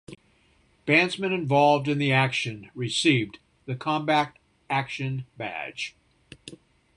Bandsmen involved in the action received the Combat Action Badge.